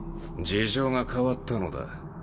事情が変わったのだ。